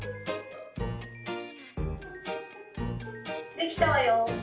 「できたわよ」。